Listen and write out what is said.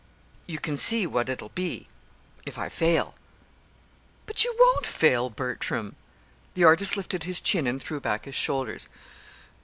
You can see what it'll be if I fail." "But you won't fail, Bertram!" The artist lifted his chin and threw back his shoulders.